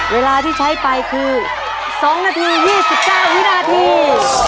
เวลาที่ใช้ไปคือ๒นาที๒๙วินาที